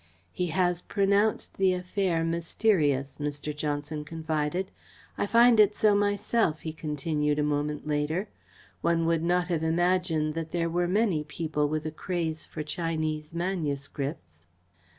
"He has pronounced the affair mysterious," Mr. Johnson confided. "I find it so myself," he continued, a moment later. "One would not have imagined that there were many people with a craze for Chinese manuscripts."